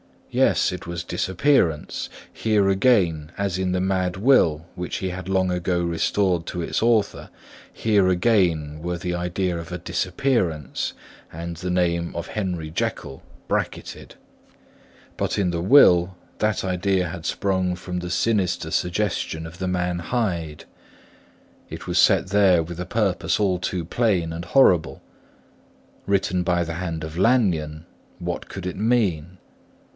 Yes, it was disappearance; here again, as in the mad will which he had long ago restored to its author, here again were the idea of a disappearance and the name of Henry Jekyll bracketted. But in the will, that idea had sprung from the sinister suggestion of the man Hyde; it was set there with a purpose all too plain and horrible. Written by the hand of Lanyon, what should it mean?